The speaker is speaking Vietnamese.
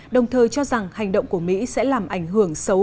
đồng thời cho rằng hành động của mỹ sẽ làm ảnh hưởng xấu